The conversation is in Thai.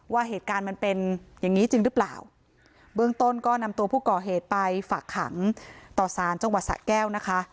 ว่าเหตุการณ์มันเป็นอย่างงี้จริงหรือเปล่าเบื้องต้นก็นำตัวผู้ก่อเหตุไปฝากขังต่อสารจังหวัดสะแก้วนะคะ